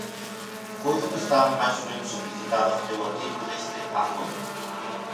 Coido que están máis ou menos explicitadas no meu artigo deste "A Fondo".